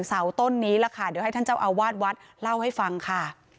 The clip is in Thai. เสาต้นนี้ล่ะค่ะเดี๋ยวให้ท่านเจ้าอาวาสวัดเล่าให้ฟังค่ะ